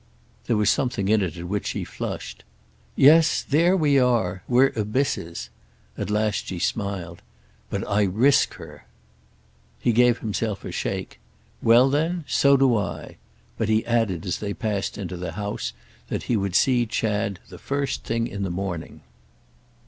There was something in it at which she flushed. "Yes—there we are. We're abysses." At last she smiled. "But I risk her!" He gave himself a shake. "Well then so do I!" But he added as they passed into the house that he would see Chad the first thing in the morning.